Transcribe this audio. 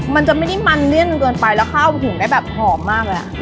มันจะไม่ได้มันเลี่ยนเกินไปแล้วข้าวหุงได้แบบหอมมากเลยอ่ะ